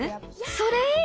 それいい！